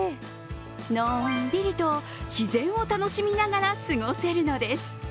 のんびりと自然を楽しみながら過ごせるのです。